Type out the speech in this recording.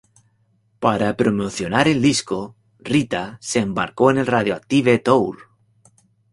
Para promocionar el disco, Rita se embarcó en el Radioactive Tour.